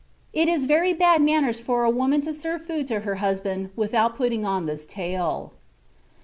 It is very bad manners for a woman to serve food to her husband without putting on this tail.